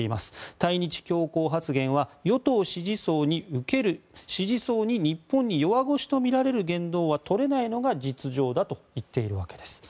対日強硬発言は与党支持層に受ける支持層に日本に弱腰とみられる言動は取れないのが実情だと言っているわけです。